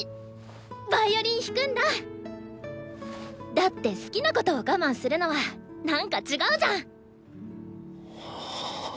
だって好きなことを我慢するのはなんか違うじゃん！